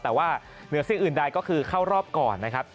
แต่ว่าเหนือสิ่งอื่นใดก็คือเข้ารอบก่อนนะครับ